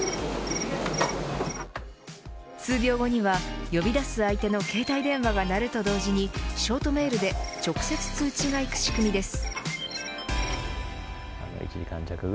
数秒後には呼び出す相手の携帯電話が鳴ると同時にショートメールで直接通知がいく仕組みです。